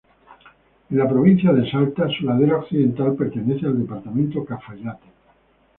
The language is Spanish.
En la provincia de Salta, su ladera occidental pertenece al Departamento Cafayate.